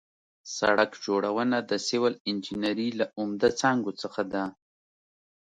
سړک جوړونه د سیول انجنیري له عمده څانګو څخه ده